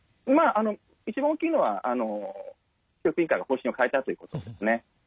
一番大きいのは教育委員会が方針を変えたということですね。